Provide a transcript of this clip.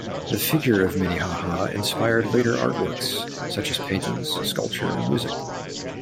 The figure of Minnehaha inspired later art works such as paintings, sculpture and music.